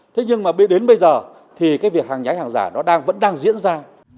thế nhưng mà đến bây giờ thì cái việc hàng nhái hàng giả nó đang vẫn đang diễn ra